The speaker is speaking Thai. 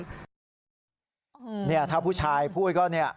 นี่ถ้าผู้ชายพูดงานข้อเนี่ย